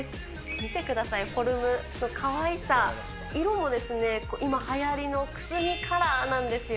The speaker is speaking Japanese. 見てください、フォルムの可愛さ、色がもう今、はやりのくすみカラーなんですよ。